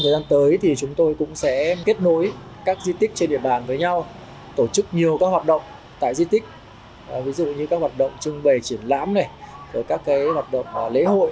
bảo tồn và phát huy giá trị các di tích văn hóa lịch sử